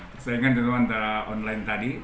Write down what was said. persaingan dulu antara online tadi